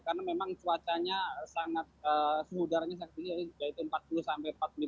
karena memang cuacanya sangat semudaranya sangat tinggi yaitu empat puluh